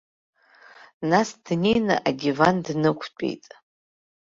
Нас днеины адиван днықәтәеит.